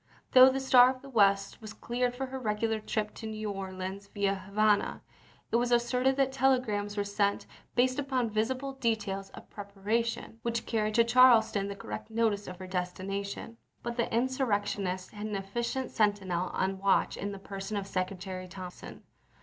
Though the Star of the West was cleared for her regular trip to New Orleans via Havana, it was asserted that telegrams were sent based upon visible details of preparation, New York which carried to Charleston the correct notice of jan.iojmi. her destination. But the insurrectionists had an efficient sentinel on watch in the person of Secre tary Thompson.